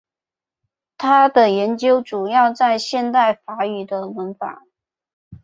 他的研究主要在现代法语的文法。